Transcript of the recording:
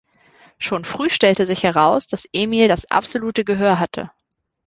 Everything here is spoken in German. Schon früh stellte sich heraus, dass Emil das absolute Gehör hatte.